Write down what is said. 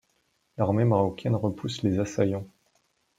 L'armée marocaine repousse les assaillants.